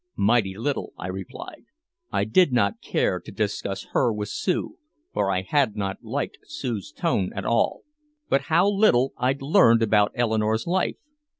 "Mighty little," I replied. I did not care to discuss her with Sue, for I had not liked Sue's tone at all. But how little I'd learned about Eleanor's life.